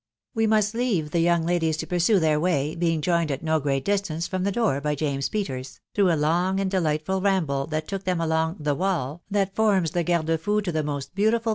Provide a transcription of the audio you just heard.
We must leave the young ladies to* pursue way, being joined at no great distance from the <k>orby Ji Peters, through a> long and delightful ramble that toeav thtm : along " the wall," that forms the garde fou to the mostbeattifial.